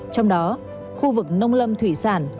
trong đó khu vực nông lâm thủy sản